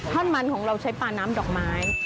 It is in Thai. ท่อนมันของเราใช้ปลาน้ำดอกไม้